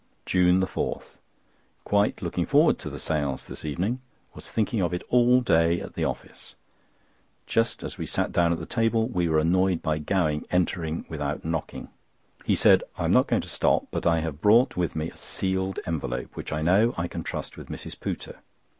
JUNE 4.—Quite looking forward to the séance this evening. Was thinking of it all the day at the office. Just as we sat down at the table we were annoyed by Gowing entering without knocking. He said: "I am not going to stop, but I have brought with me a sealed envelope, which I know I can trust with Mrs. Pooter.